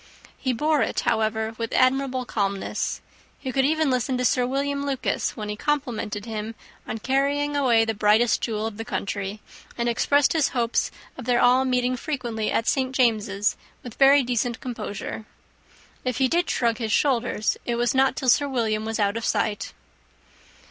He bore it, however, with admirable calmness. He could even listen to Sir William Lucas, when he complimented him on carrying away the brightest jewel of the country, and expressed his hopes of their all meeting frequently at St. James's, with very decent composure. If he did shrug his shoulders, it was not till Sir William was out of sight.